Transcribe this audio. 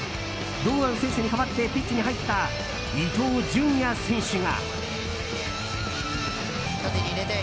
堂安選手に代わってピッチに入った伊東純也選手が。